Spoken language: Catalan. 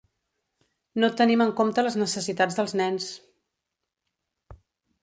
No tenim en compte les necessitats dels nens.